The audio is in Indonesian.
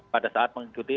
pada saat mengikuti